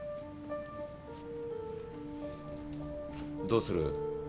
どうする？